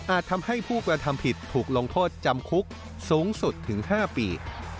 ทำให้ผู้กระทำผิดถูกลงโทษจำคุกสูงสุดถึง๕ปี